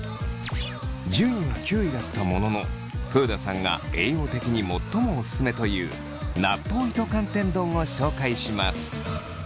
順位は９位だったものの豊田さんが栄養的に最もオススメという納豆糸寒天丼を紹介します。